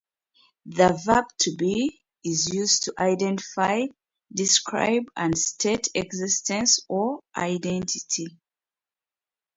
The verb "to be" is used to identify, describe, and state existence or identity.